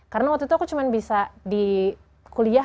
karena waktu itu aku cuma bisa di kuliah